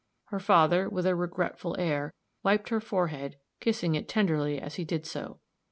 Her father, with a regretful air, wiped her forehead, kissing it tenderly as he did so.